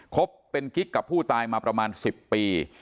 คบเป็นกิ๊กกับผู้ตายมาประมาณ๑๐ปี